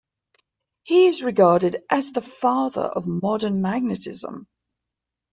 He is regarded as the "Father of Modern Magnetism".